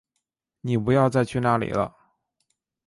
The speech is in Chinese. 妳不要再去那里了